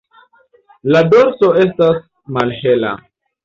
La dorso estas malhela.